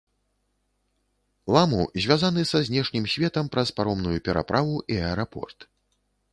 Ламу звязаны са знешнім светам праз паромную пераправу і аэрапорт.